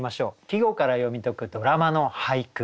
「季語から読み解くドラマの俳句」。